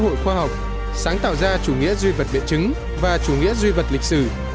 hội khoa học sáng tạo ra chủ nghĩa duy vật biện chứng và chủ nghĩa duy vật lịch sử